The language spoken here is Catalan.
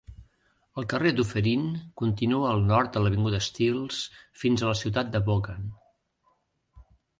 El carrer Dufferin continua al nord de l'avinguda Steeles fins a la ciutat de Vaughan.